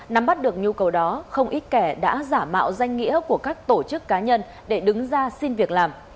nắm bắt được nhu cầu đó không ít kẻ đã giả mạo danh nghĩa của các tổ chức cá nhân để đứng ra xin việc làm